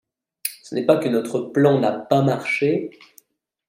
ce n'est pas que notre plan n'a pas marché.